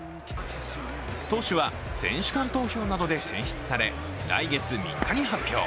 投手は選手間投票などで選出され来月３日に発表。